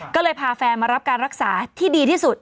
ก็เลยพาแฟนมารับการรักษาที่ดีที่สุด